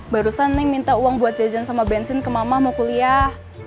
barusan nih minta uang buat jajan sama bensin ke mama mau kuliah